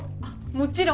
もちろん。